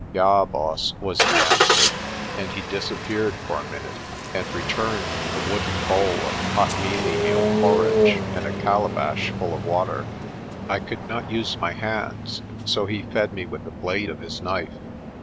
"Ja, Baas," was the answer; and he disappeared for a minute, and returned with a wooden bowl of hot mealie meal porridge, and a calabash full of water. I could not use my hands, so he fed me with the blade of his knife.